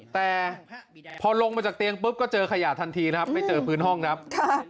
แต่พอลงมาจากเตียงปุ๊บก็เจอขยะทันทีนะครับไม่เจอพื้นห้องครับ